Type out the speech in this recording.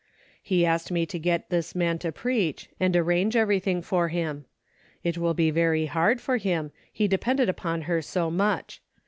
He asked me to get this man to preach, and arrange everything for him. It will be very hard for him, he depended upon her so much.